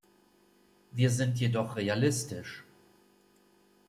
Wir sind jedoch realistisch.